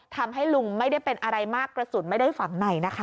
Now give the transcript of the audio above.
ทำให้ลุงไม่ได้เป็นอะไรมากกระสุนไม่ได้ฝังในนะคะ